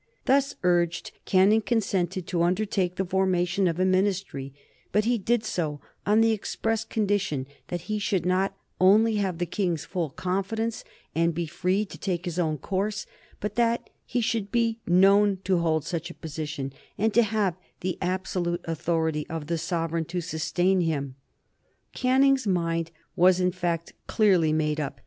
Thus urged, Canning consented to undertake the formation of a Ministry, but he did so on the express condition that he should not only have the King's full confidence and be free to take his own course, but that he should be known to hold such a position and to have the absolute authority of the sovereign to sustain him. Canning's mind was, in fact, clearly made up.